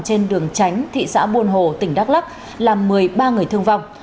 trên đường tránh thị xã buôn hồ tỉnh đắk lắc làm một mươi ba người thương vong